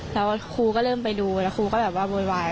แล้วครูก็เริ่มไปดูแล้วครูก็บ่อย